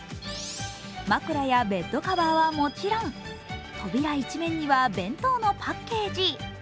枕やベッドカバーはもちろん、扉一面には弁当のパッケージ。